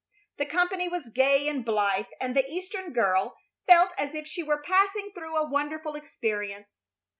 The company was gay and blithe, and the Eastern girl felt as if she were passing through a wonderful experience.